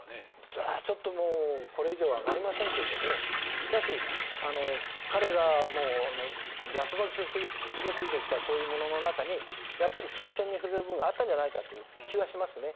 それはちょっとこれ以上はわかりませんがしかし彼が脈々と受け継いできたものの中に琴線に触れる部分があったんじゃないかという気はしますね。